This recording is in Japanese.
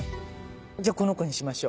じゃこの子にしましょ。